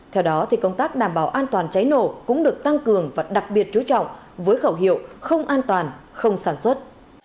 theo đó công tác đảm bảo an toàn cháy nổ cũng được tăng cường và đặc biệt chú trọng với khẩu hiệu không an toàn không sản xuất